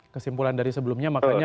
kesimpulan dari sebelumnya makanya